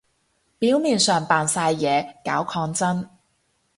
表面上扮晒嘢搞抗爭